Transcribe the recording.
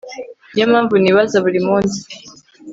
niyo mpamvu nibaza buri munsi ..